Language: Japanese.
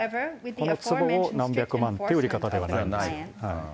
このつぼを何百万というやり方ではない。